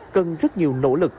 cần rất nhiều nỗ lực